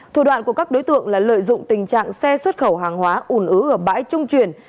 thủ đoạn của các đối tượng là lợi dụng tình trạng xe xuất khẩu hàng hóa ủn ứ ở bãi trung chuyển